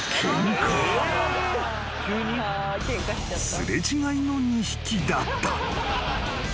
［擦れ違いの２匹だった］